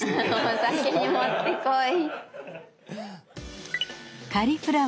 お酒に持って来い。